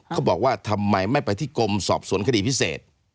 เขาบอกว่าทำไมไม่ไปที่กรมสอบสวนคดีพิเศษ